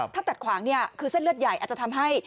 ถ้าตัดขวางคือเส้นเลือดใหญ่อาจจะทำให้